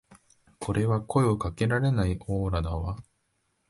これは声かけられないオーラだわ